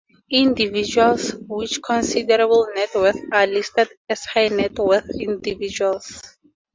Individuals with considerable net worth are listed as High-net-worth individuals.